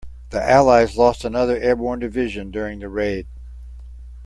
The allies lost another airborne division during the raid.